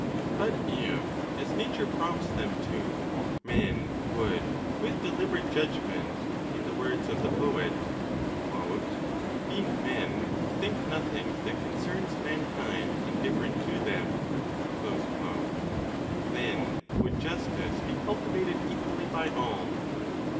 But if, as nature prompts them to, men would with deli berate judgment, in the words of the poet, "being men, think nothing that concerns mankind indifferent to them," then would justice be cultivated equally by all.